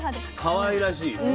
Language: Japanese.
かわいらしい。